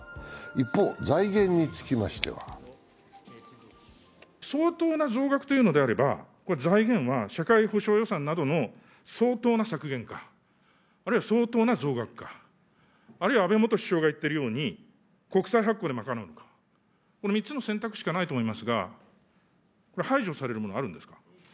一方、財源につきましては相当な増額というのであれば財源は社会保障予算などの相当な削減か、あるいは相当な増額か、あるいは安倍元首相が言っているように国債発行で賄うか、この３つの選択しかないと思いますが、排除されるものはあるんですか？